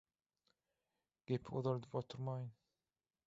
Gepi uzaldyp oturmaýyn